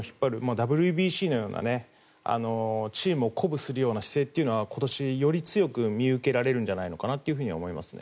ＷＢＣのようなチームを鼓舞するような姿勢というのは今年、より強く見受けられるんじゃないかと思いますね。